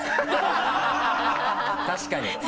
確かに。